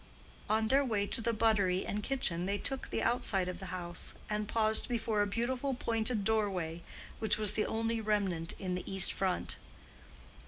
On their way to the buttery and kitchen they took the outside of the house and paused before a beautiful pointed doorway, which was the only old remnant in the east front.